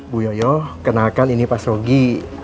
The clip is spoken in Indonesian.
bu yoyo kenakan ini pak sogi